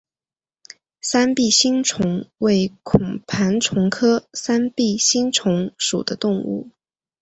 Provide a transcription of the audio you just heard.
三臂星虫为孔盘虫科三臂星虫属的动物。